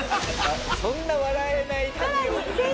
そんな笑えない感じよ。